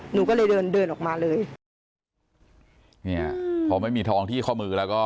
หนูก็เลยเดินเดินออกมาเลยเนี่ยพอไม่มีทองที่ข้อมือแล้วก็